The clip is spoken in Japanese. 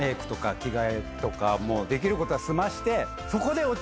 できることは済ませて。